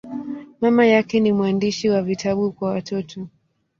Mama yake ni mwandishi wa vitabu kwa watoto.